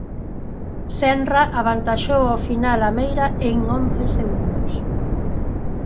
Senra avantaxou ao final a Meira en once segundos.